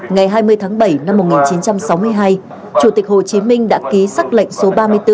ngày hai mươi tháng bảy năm một nghìn chín trăm sáu mươi hai chủ tịch hồ chí minh đã ký xác lệnh số ba mươi bốn